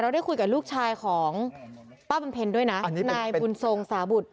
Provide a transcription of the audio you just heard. เราได้คุยกับลูกชายของป้าบรรเภนด้วยน่ะอันนี้เป็นนายบุญทรงสาบุธ